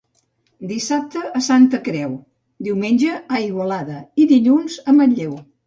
Dissabte, Santa Creu; diumenge, a Igualada i dilluns a Manlleu.